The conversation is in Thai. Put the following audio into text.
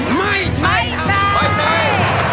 ไม่ใช่